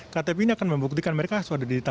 ktp ini akan membuktikan mereka sudah di kamar rakyat